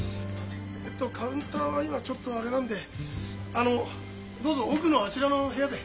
えっとカウンターは今ちょっとあれなんであのどうぞ奥のあちらの部屋で。